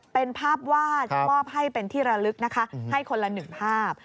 เป็นภาพวาดมอบให้เป็นที่ระลึกนะคะให้คนละหนึ่งภาพ